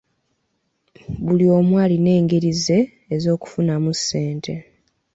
Buli omu alina engeri ze ez'okufunamu ssente.